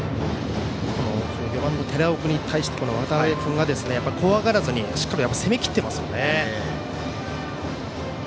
４番の寺尾君に対して渡辺君が怖がらずにしっかり攻めきっていますよね。